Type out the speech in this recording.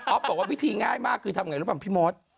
ออฟก็บอกว่าวิธีง่ายมากคือทำไงแบบพี่มฎ